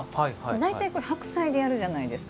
大体、これ白菜でやるじゃないですか。